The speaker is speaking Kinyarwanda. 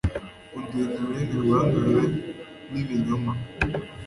undinda ururimi rwandujwe n'ibinyoma